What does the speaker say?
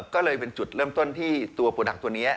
ก็เลยเป็นจุดเริ่มต้นที่ตัวโปรดักตัวนี้